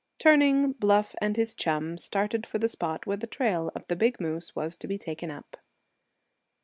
Turning, Bluff and his chum started for the spot where the trail of the big moose was to be taken up.